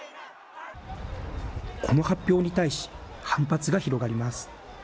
この発表に対し反発が広がります。